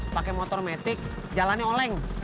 pakai motor metik jalannya oleng